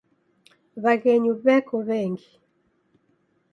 W'aghenyu w'eko w'engi.